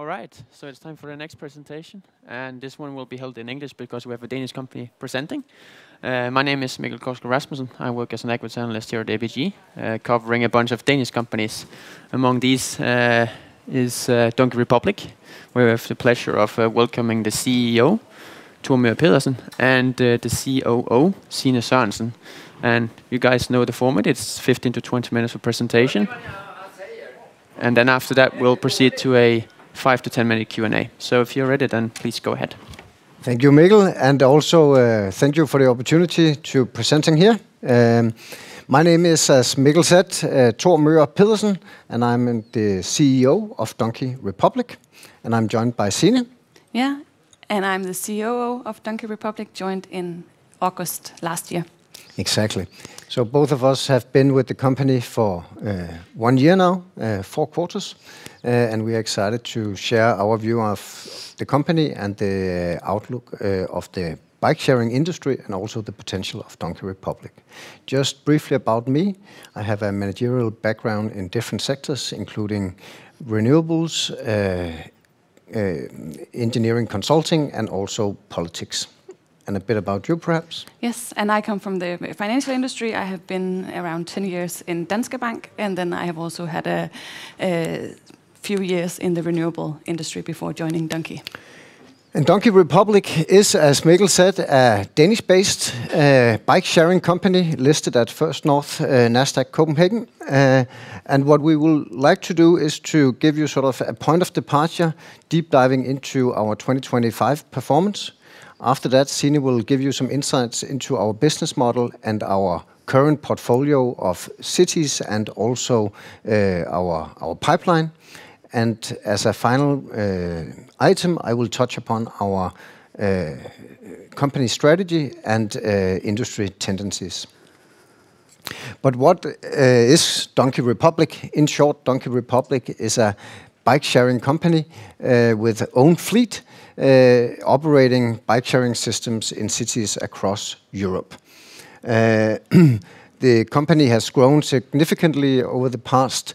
All right. It's time for the next presentation. This one will be held in English because we have a Danish company presenting. My name is Mikkel Kousgaard Rasmussen. I work as an Equity Analyst here at ABG, covering a bunch of Danish companies. Among these is DonkeyRepublic, where we have the pleasure of welcoming the CEO, Thor Möger Pedersen, and the COO, Signe Storgaard Sørensen. You guys know the format. It's 15-20 minutes of presentation. After that, we'll proceed to a 5 to 10-minute Q&A. If you're ready, please go ahead. Thank you, Mikkel, also thank you for the opportunity to present here. My name is, as Mikkel said, Thor Möger Pedersen, and I'm the CEO of DonkeyRepublic, and I'm joined by Signe. Yeah, I'm the COO of DonkeyRepublic, joined in August last year. Exactly. Both of us have been with the company for one year now, four quarters, and we're excited to share our view of the company and the outlook of the bike-sharing industry and also the potential of DonkeyRepublic. Just briefly about me, I have a managerial background in different sectors, including renewables, engineering consulting, and also politics. A bit about you, perhaps? Yes, I come from the financial industry. I have been around 10 years in Danske Bank, I have also had a few years in the renewable industry before joining Donkey. DonkeyRepublic is, as Mikkel said, a Danish-based bike-sharing company listed at First North Nasdaq Copenhagen. What we will like to do is to give you sort of a point of departure, deep-diving into our 2025 performance. After that, Signe will give you some insights into our business model and our current portfolio of cities and also our pipeline. As a final item, I will touch upon our company strategy and industry tendencies. What is DonkeyRepublic? In short, DonkeyRepublic is a bike-sharing company with own fleet, operating bike-sharing systems in cities across Europe. The company has grown significantly over the past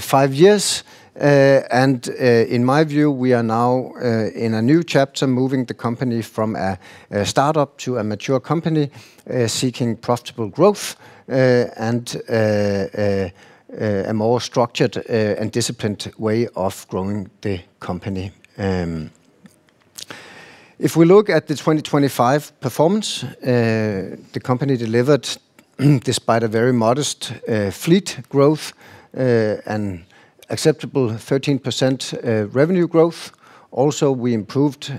five years, and in my view, we are now in a new chapter, moving the company from a startup to a mature company, seeking profitable growth, and a more structured and disciplined way of growing the company. If we look at the 2025 performance, the company delivered, despite a very modest fleet growth, an acceptable 13% revenue growth. We improved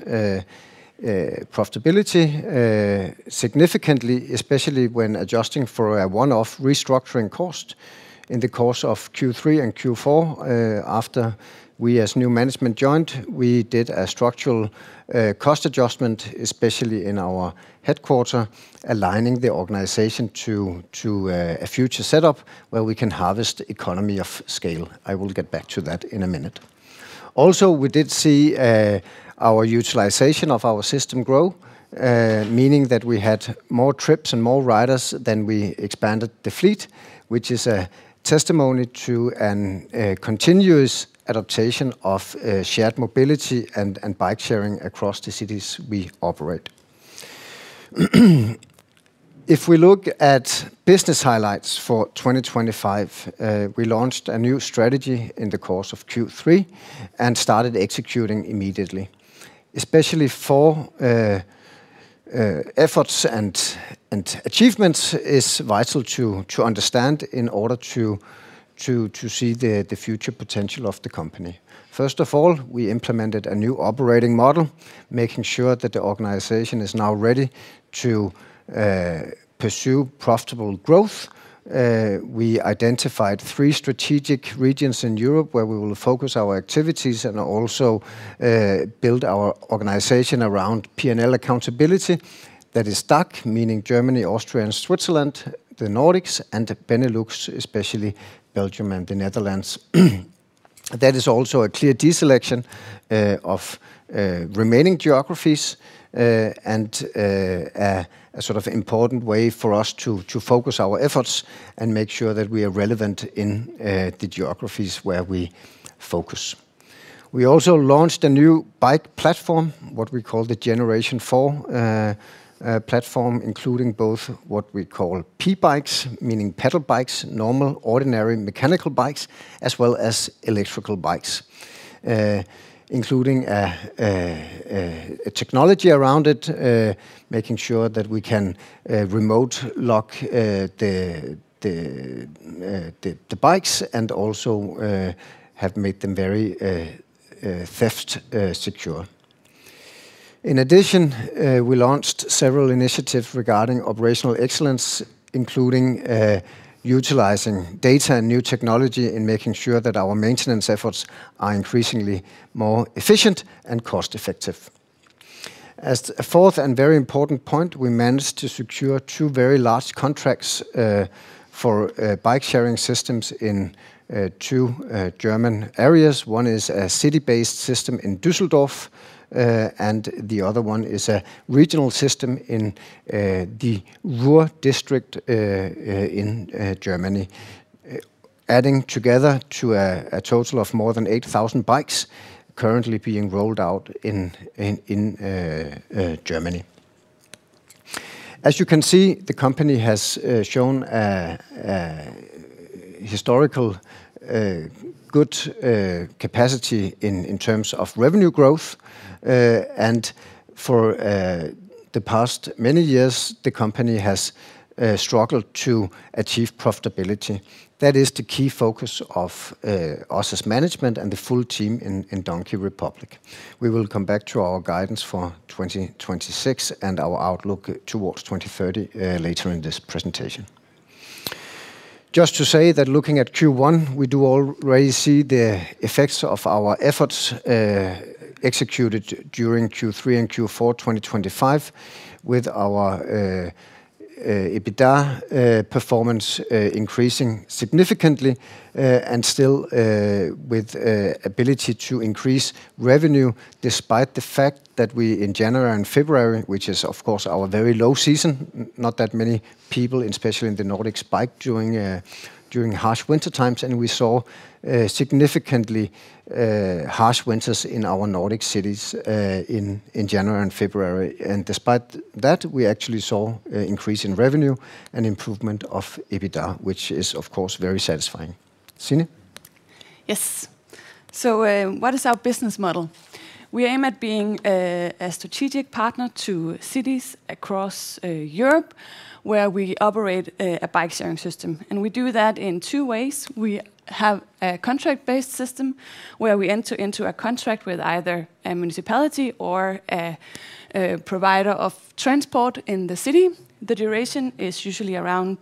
profitability significantly, especially when adjusting for a one-off restructuring cost in the course of Q3 and Q4. After we, as new management, joined, we did a structural cost adjustment, especially in our headquarter, aligning the organization to a future setup where we can harvest economy of scale. I will get back to that in a minute. We did see our utilization of our system grow, meaning that we had more trips and more riders than we expanded the fleet, which is a testimony to a continuous adaptation of shared mobility and bike-sharing across the cities we operate. If we look at business highlights for 2025, we launched a new strategy in the course of Q3 and started executing immediately. Especially for efforts and achievements is vital to understand in order to see the future potential of the company. First of all, we implemented a new operating model, making sure that the organization is now ready to pursue profitable growth. We identified three strategic regions in Europe where we will focus our activities and also build our organization around P&L accountability. That is DACH, meaning Germany, Austria, and Switzerland, the Nordics, and the Benelux, especially Belgium and the Netherlands. That is also a clear deselection of remaining geographies, and a sort of important way for us to focus our efforts and make sure that we are relevant in the geographies where we focus. We also launched a new bike platform, what we call the Generation 4 platform, including both what we call pedal bikes, meaning pedal bikes, normal, ordinary mechanical bikes, as well as electrical bikes, including a technology around it, making sure that we can remote lock the bikes and also have made them very theft-secure. In addition, we launched several initiatives regarding operational excellence, including utilizing data and new technology and making sure that our maintenance efforts are increasingly more efficient and cost-effective. As a fourth and very important point, we managed to secure two very large contracts for bike-sharing systems in two German areas. One is a city-based system in Düsseldorf, and the other one is a regional system in the Ruhr district in Germany, adding together to a total of more than 8,000 bikes currently being rolled out in Germany. As you can see, the company has shown a historical good capacity in terms of revenue growth. For the past many years, the company has struggled to achieve profitability. That is the key focus of us as management and the full team in DonkeyRepublic. We will come back to our guidance for 2026 and our outlook towards 2030 later in this presentation. Just to say that looking at Q1, we do already see the effects of our efforts executed during Q3 and Q4 2025 with our EBITDA performance increasing significantly and still with ability to increase revenue despite the fact that we, in January and February, which is of course our very low season, not that many people, especially in the Nordics, bike during harsh winter times. We saw significantly harsh winters in our Nordic cities in January and February. Despite that, we actually saw an increase in revenue and improvement of EBITDA, which is of course, very satisfying. Signe? Yes. What is our business model? We aim at being a strategic partner to cities across Europe where we operate a bike-sharing system, and we do that in two ways. We have a contract-based system where we enter into a contract with either a municipality or a provider of transport in the city. The duration is usually around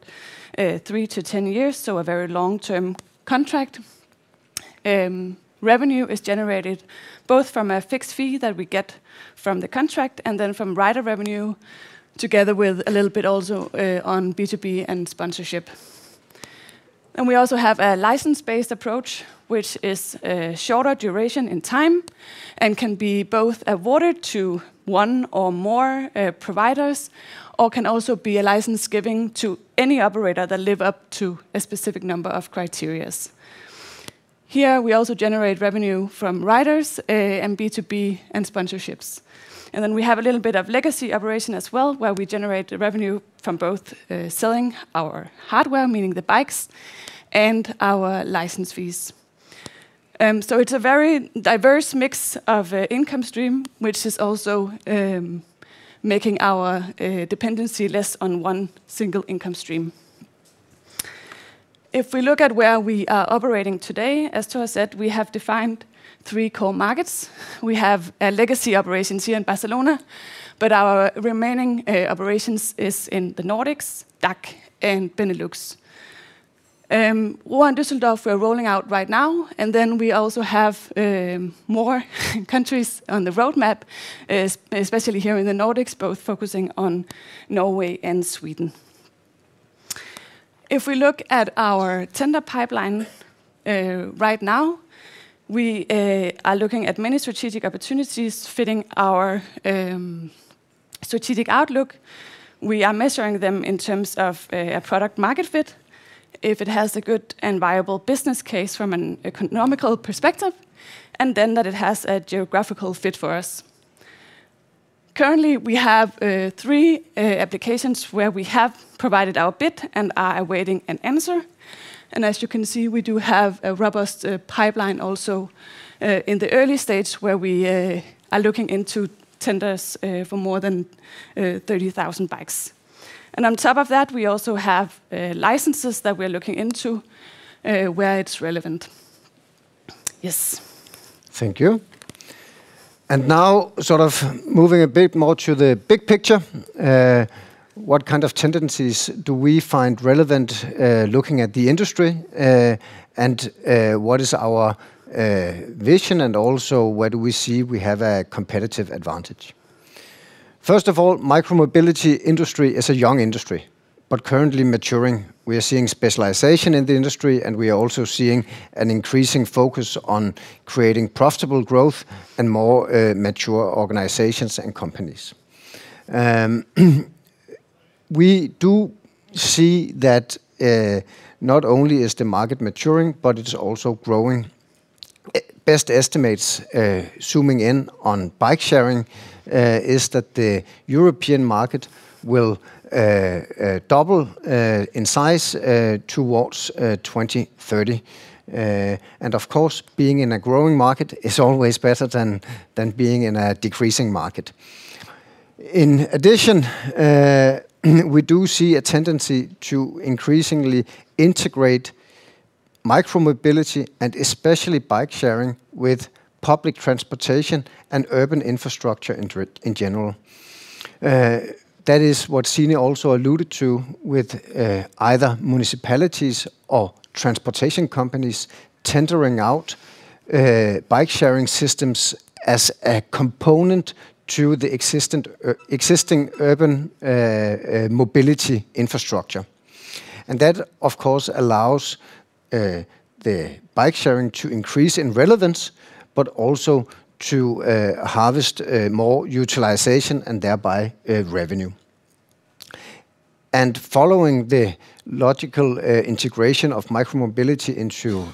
3-10 years, so a very long-term contract. Revenue is generated both from a fixed fee that we get from the contract and then from rider revenue, together with a little bit also on B2B and sponsorship. We also have a license-based approach, which is a shorter duration in time and can be both awarded to one or more providers or can also be a license giving to any operator that live up to a specific number of criteria. Here we also generate revenue from riders and B2B and sponsorships. We have a little bit of legacy operation as well, where we generate revenue from both selling our hardware, meaning the bikes, and our license fees. It's a very diverse mix of income stream, which is also making our dependency less on one single income stream. If we look at where we are operating today, as Thor said, we have defined three core markets. We have legacy operations here in Barcelona, but our remaining operations is in the Nordics, DACH, and Benelux. Ruhr and Düsseldorf we are rolling out right now, and then we also have more countries on the roadmap, especially here in the Nordics, both focusing on Norway and Sweden. If we look at our tender pipeline right now, we are looking at many strategic opportunities fitting our strategic outlook. We are measuring them in terms of a product-market fit, if it has a good and viable business case from an economical perspective, and then that it has a geographical fit for us. Currently, we have three applications where we have provided our bid and are awaiting an answer. As you can see, we do have a robust pipeline also, in the early stage, where we are looking into tenders for more than 30,000 bikes. On top of that, we also have licenses that we're looking into, where it's relevant. Yes. Thank you. Moving a bit more to the big picture, what kind of tendencies do we find relevant, looking at the industry, and what is our vision, and also where do we see we have a competitive advantage? First of all, micro-mobility industry is a young industry, but currently maturing. We are seeing specialization in the industry, and we are also seeing an increasing focus on creating profitable growth and more mature organizations and companies. We do see that not only is the market maturing, but it's also growing. Best estimates, zooming in on bike-sharing, is that the European market will double in size towards 2030. Of course, being in a growing market is always better than being in a decreasing market. In addition, we do see a tendency to increasingly integrate micro-mobility and especially bike-sharing with public transportation and urban infrastructure in general. That is what Signe also alluded to with either municipalities or transportation companies tendering out bike-sharing systems as a component to the existing urban mobility infrastructure. That, of course, allows the bike-sharing to increase in relevance, but also to harvest more utilization and thereby revenue. Following the logical integration of micro-mobility into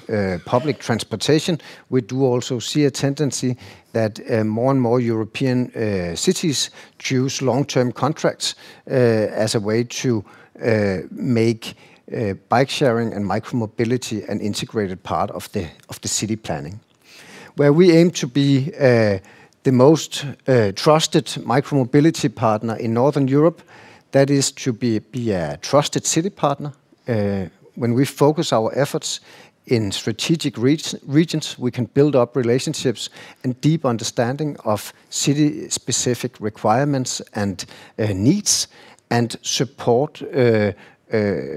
public transportation, we do also see a tendency that more and more European cities choose long-term contracts as a way to make bike-sharing and micro-mobility an integrated part of the city planning. Where we aim to be the most trusted micro-mobility partner in Northern Europe, that is to be a trusted city partner. When we focus our efforts in strategic regions, we can build up relationships and deep understanding of city-specific requirements and needs and support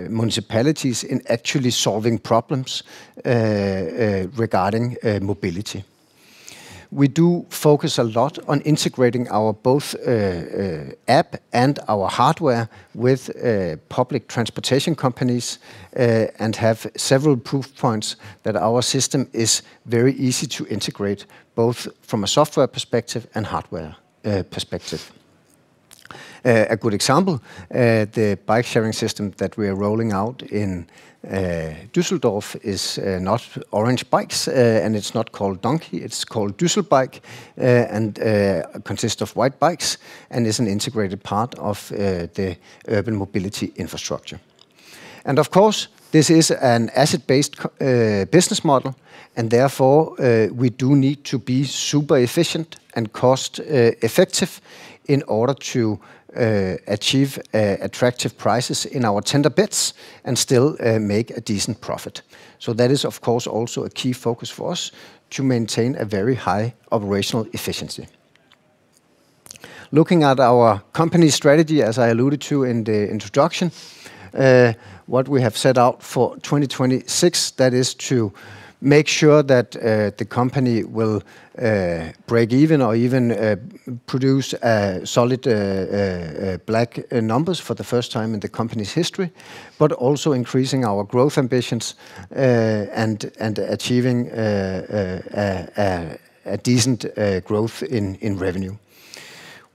municipalities in actually solving problems regarding mobility. We do focus a lot on integrating our both app and our hardware with public transportation companies and have several proof points that our system is very easy to integrate, both from a software perspective and hardware perspective. A good example, the bike-sharing system that we are rolling out in Düsseldorf is not orange bikes, and it's not called Donkey. It's called Düsselbike and consists of white bikes and is an integrated part of the urban mobility infrastructure. Of course, this is an asset-based business model, and therefore, we do need to be super efficient and cost-effective in order to achieve attractive prices in our tender bids and still make a decent profit. That is, of course, also a key focus for us to maintain a very high operational efficiency. Looking at our company strategy, as I alluded to in the introduction, what we have set out for 2026, that is to make sure that the company will break even or even produce solid black numbers for the first time in the company's history, but also increasing our growth ambitions and achieving a decent growth in revenue.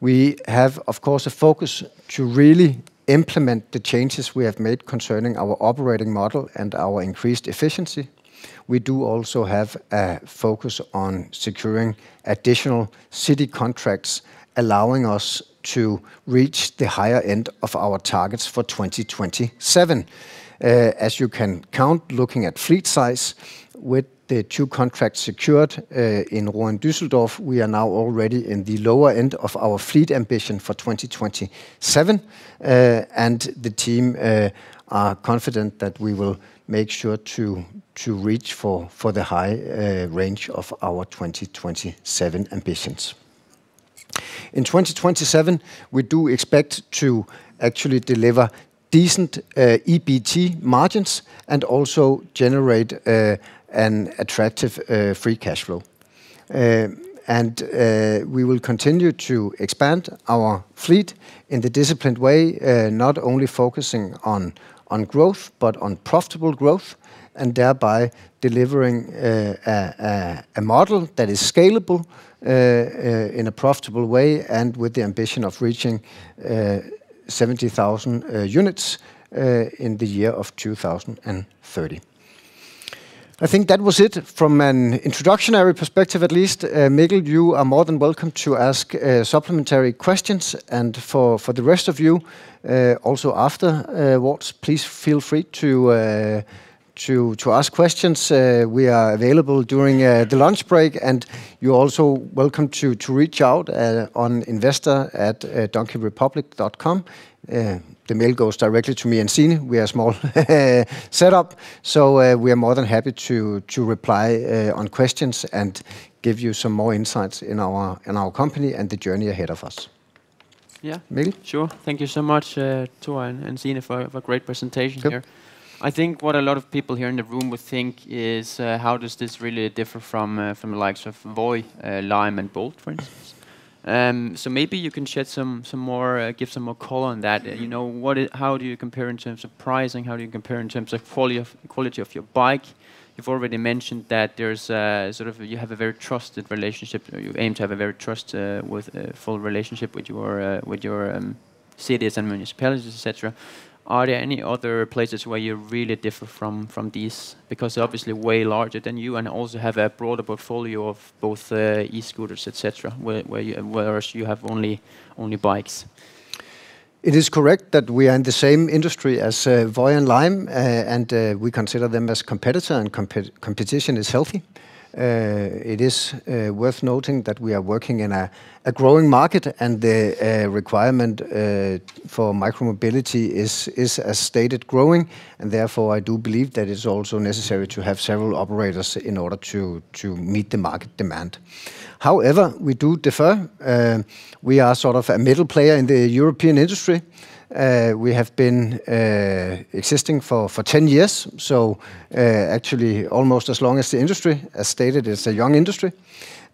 We have, of course, a focus to really implement the changes we have made concerning our operating model and our increased efficiency. We do also have a focus on securing additional city contracts, allowing us to reach the higher end of our targets for 2027. As you can count, looking at fleet size with the two contracts secured in Ruhr and Düsseldorf, we are now already in the lower end of our fleet ambition for 2027. The team are confident that we will make sure to reach for the high range of our 2027 ambitions. In 2027, we do expect to actually deliver decent EBT margins and also generate an attractive free cash flow. We will continue to expand our fleet in the disciplined way, not only focusing on growth, but on profitable growth, and thereby delivering a model that is scalable in a profitable way and with the ambition of reaching 70,000 units in the year of 2030. I think that was it from an introductionary perspective at least. Mikkel, you are more than welcome to ask supplementary questions and for the rest of you, also afterwards, please feel free to ask questions. We are available during the lunch break, and you're also welcome to reach out on investor@donkeyrepublic.com. The mail goes directly to me and Signe. We are small setup, so we are more than happy to reply on questions and give you some more insights in our company and the journey ahead of us. Yeah. Mikkel? Sure. Thank you so much, Thor and Signe for a great presentation here. Yep. I think what a lot of people here in the room would think is, how does this really differ from the likes of Voi, Lime, and Bolt, for instance? Maybe you can give some more color on that. Yeah. How do you compare in terms of pricing? How do you compare in terms of quality of your bike? You've already mentioned that you have a very trusted relationship, or you aim to have a very trusted with full relationship with your cities and municipalities, et cetera. Are there any other places where you really differ from these? They're obviously way larger than you and also have a broader portfolio of both e-scooters, et cetera, whereas you have only bikes. It is correct that we are in the same industry as Voi and Lime, and we consider them as competitor and competition is healthy. It is worth noting that we are working in a growing market, and the requirement for micro-mobility is, as stated, growing, and therefore, I do believe that it's also necessary to have several operators in order to meet the market demand. However, we do differ. We are sort of a middle player in the European industry. We have been existing for 10 years, so actually almost as long as the industry. As stated, it's a young industry.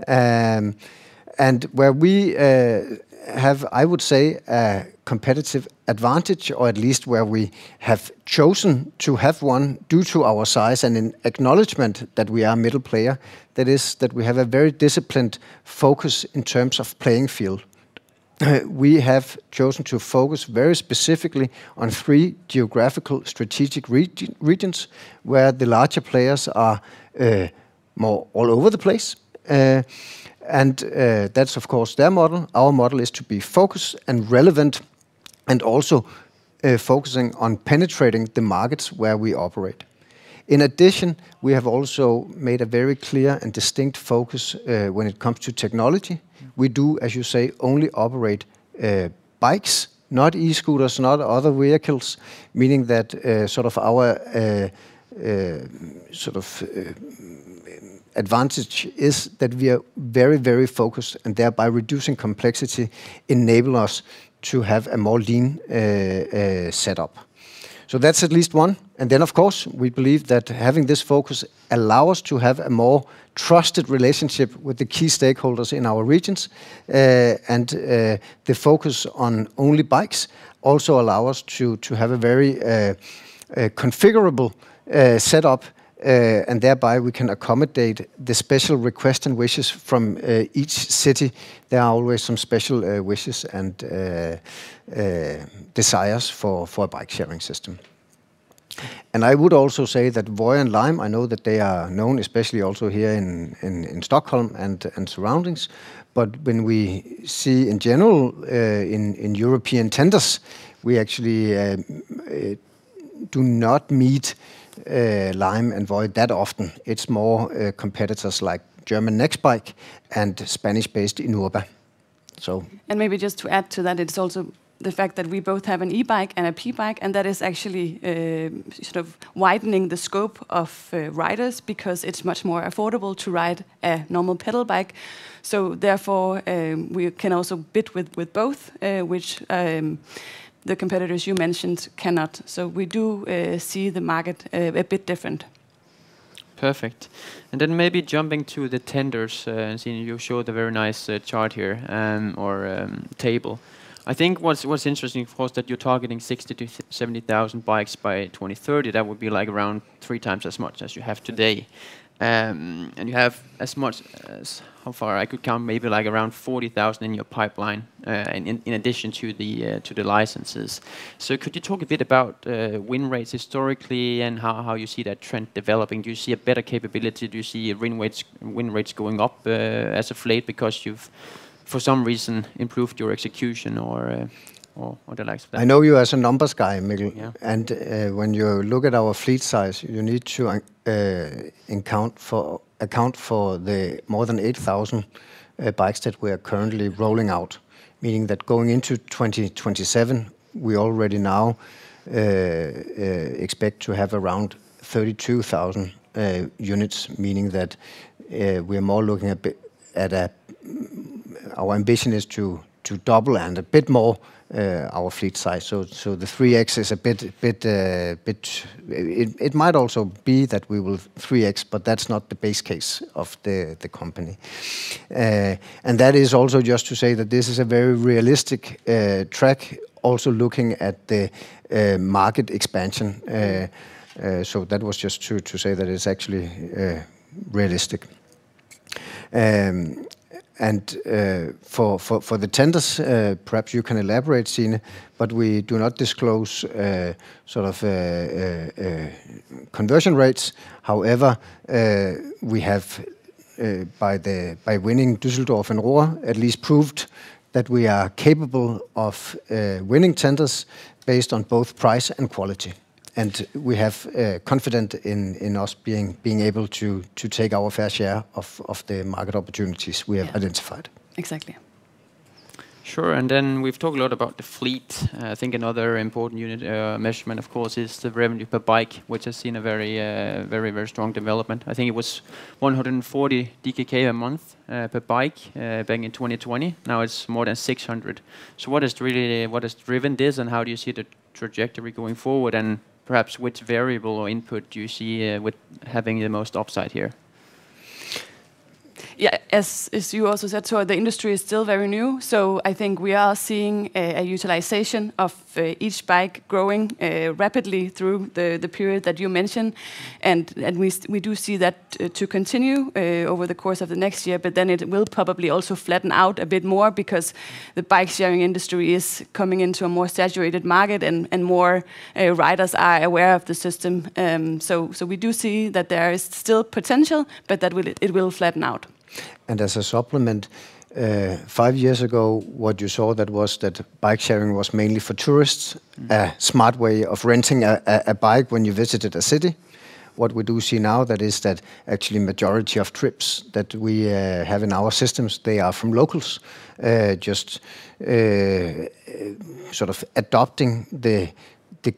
Where we have, I would say, a competitive advantage, or at least where we have chosen to have one due to our size and in acknowledgment that we are a middle player, that is that we have a very disciplined focus in terms of playing field. We have chosen to focus very specifically on three geographical strategic regions, where the larger players are more all over the place. That's of course their model. Our model is to be focused and relevant, and also focusing on penetrating the markets where we operate. In addition, we have also made a very clear and distinct focus when it comes to technology. We do, as you say, only operate bikes, not e-scooters, not other vehicles, meaning that our advantage is that we are very, very focused and thereby reducing complexity enable us to have a more lean setup. That's at least one. Of course, we believe that having this focus allow us to have a more trusted relationship with the key stakeholders in our regions. The focus on only bikes also allow us to have a very configurable setup, and thereby we can accommodate the special request and wishes from each city. There are always some special wishes and desires for a bike-sharing system. I would also say that Voi and Lime, I know that they are known, especially also here in Stockholm and surroundings. When we see in general in European tenders, we actually do not meet Lime and Voi that often. It's more competitors like German nextbike and Spanish-based Inurba. Maybe just to add to that, it's also the fact that we both have an e-bike and a pedal bike, and that is actually widening the scope of riders because it's much more affordable to ride a normal pedal bike. Therefore, we can also bid with both, which the competitors you mentioned cannot. We do see the market a bit different. Perfect. Maybe jumping to the tenders, Signe, you showed a very nice chart here or table. I think what's interesting, of course, that you're targeting 60,000 to 70,000 bikes by 2030. That would be around three times as much as you have today. You have as much as, how far I could count, maybe around 40,000 in your pipeline, in addition to the licenses. Could you talk a bit about win rates historically and how you see that trend developing? Do you see a better capability? Do you see win rates going up as of late because you've, for some reason, improved your execution or the likes of that? I know you as a numbers guy, Mikkel. Yeah. When you look at our fleet size, you need to account for the more than 8,000 bikes that we are currently rolling out, meaning that going into 2027, we already now expect to have around 32,000 units, meaning that our ambition is to double and a bit more our fleet size. The 3x, it might also be that we will 3x, but that's not the base case of the company. That is also just to say that this is a very realistic track, also looking at the market expansion. That was just to say that it's actually realistic. For the tenders, perhaps you can elaborate, Signe, we do not disclose conversion rates. However, we have by winning Düsseldorf and Ruhr at least proved that we are capable of winning tenders based on both price and quality. We have confidence in us being able to take our fair share of the market opportunities we have identified. Exactly. Sure. We've talked a lot about the fleet. I think another important unit measurement, of course, is the revenue per bike, which has seen a very strong development. I think it was 140 DKK a month per bike back in 2020. Now it's more than 600. What has driven this, and how do you see the trajectory going forward? Perhaps which variable or input do you see with having the most upside here? Yeah. As you also said, the industry is still very new. I think we are seeing a utilization of each bike growing rapidly through the period that you mentioned, and we do see that to continue over the course of the next year. It will probably also flatten out a bit more because the bike-sharing industry is coming into a more saturated market and more riders are aware of the system. We do see that there is still potential, but that it will flatten out. As a supplement, five years ago, what you saw that was that bike-sharing was mainly for tourists. A smart way of renting a bike when you visited a city. What we do see now that is that actually majority of trips that we have in our systems, they are from locals, just adopting the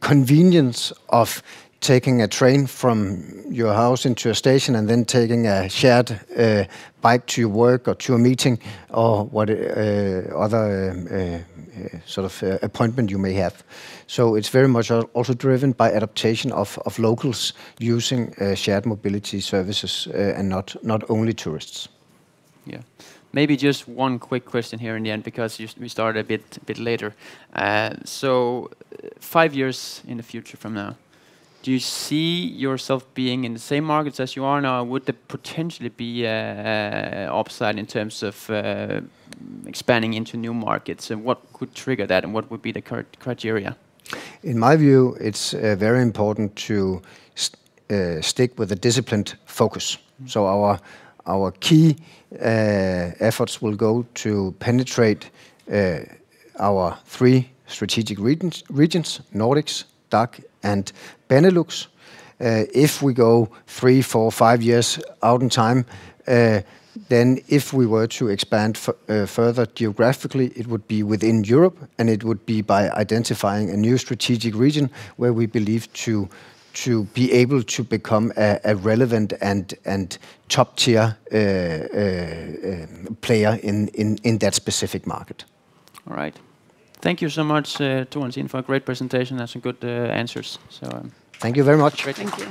convenience of taking a train from your house into a station and then taking a shared bike to work or to a meeting or what other sort of appointment you may have. It's very much also driven by adaptation of locals using shared mobility services and not only tourists. Yeah. Maybe just one quick question here in the end, because we started a bit later. Five years in the future from now, do you see yourself being in the same markets as you are now? Would there potentially be a upside in terms of expanding into new markets? What could trigger that, and what would be the criteria? In my view, it is very important to stick with a disciplined focus. Our key efforts will go to penetrate our three strategic regions, Nordics, DACH, and Benelux. If we go three, four, five years out in time, then if we were to expand further geographically, it would be within Europe, and it would be by identifying a new strategic region where we believe to be able to become a relevant and top-tier player in that specific market. All right. Thank you so much, Thor and Signe, for a great presentation and some good answers. Thank you very much. Thank you.